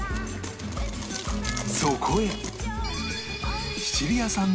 そこへ